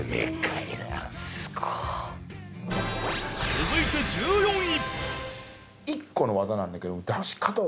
続いて１４位